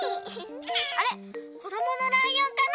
あれこどものライオンかな？